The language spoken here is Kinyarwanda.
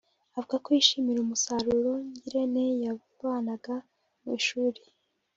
Avuga ko yishimira umusaruro Ngirente yavanaga mu ishuli